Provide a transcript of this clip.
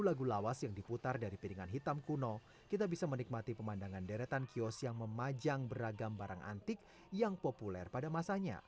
lagu lawas yang diputar dari piringan hitam kuno kita bisa menikmati pemandangan deretan kios yang memajang beragam barang antik yang populer pada masanya